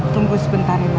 tunggu sebentar mel ya